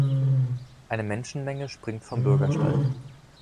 Eine Menschenmenge springt vom Bürgersteig.